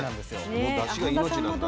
そのだしが命なんだな。